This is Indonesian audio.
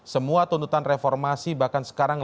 semua tuntutan reformasi bahkan sekarang